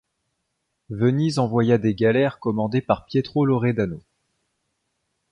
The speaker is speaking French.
Venise envoya des galères commandées par Pietro Loredano.